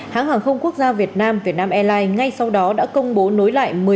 hãng hàng không quốc gia việt nam việt nam airline ngay sau đó đã công bố nối lại